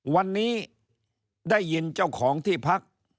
วันนี้ได้ยินเจ้าของที่พัก